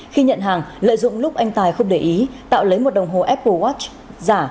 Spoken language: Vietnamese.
khi nhận hàng lợi dụng lúc anh tài không để ý tạo lấy một đồng hồ apple watch giả